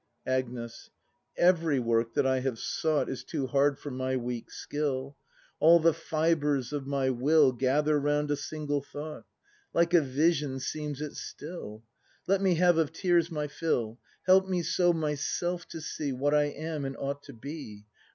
Agnes. Every work that I have sought Is too hard for my weak skill; All the fibres of my will Gather round a single lliouglit. Like a vision seems it still: Let me have of tears my fill. Help me so myself to see, — What I am, and ought to be!